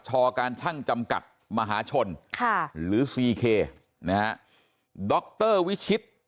การช่างจำกัดมหาชนค่ะหรือซีเคนะฮะดรวิชิต